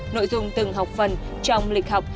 nội dung từng học phần trong lịch học